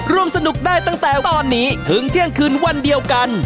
ร่วมสนุกได้ตั้งแต่ตอนนี้ถึงเที่ยงคืนวันเดียวกัน